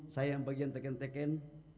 saya yang bagian teken teken